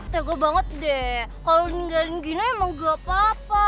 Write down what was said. tega banget deh kalau ninggalin gina emang gak apa apa